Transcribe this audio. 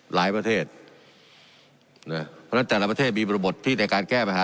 ประเทศนะเพราะฉะนั้นแต่ละประเทศมีบริบทที่ในการแก้ปัญหา